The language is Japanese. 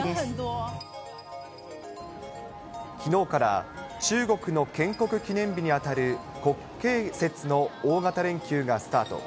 きのうから、中国の建国記念日に当たる、国慶節の大型連休がスタート。